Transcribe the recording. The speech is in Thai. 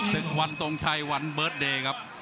ศึกวันทรงชัยวันเบิร์ตเดย์ครับ